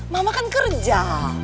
mama kan kerja